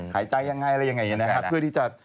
หายใจยังไงอะไรยังไงนะครับ